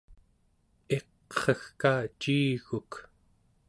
iqregka ciiguk